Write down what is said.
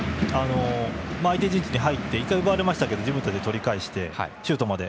相手陣地に入って１回奪われましたが自分たちで取り返してシュートまで。